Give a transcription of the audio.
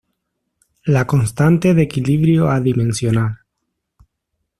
La constante de equilibrio adimensional.